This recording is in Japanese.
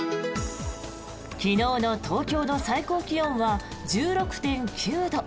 昨日の東京の最高気温は１６．９度。